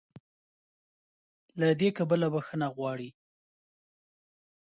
له دې کبله "بخښنه غواړي"